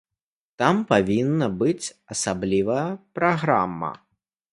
Там павінна быць асаблівая праграма.